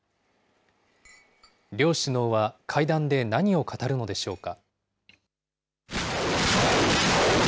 両首脳は、会談で何を語るのでしょうか。